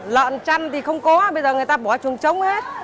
lợn chăn thì không có bây giờ người ta bỏ trùm trống hết